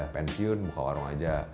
pensiun buka warung aja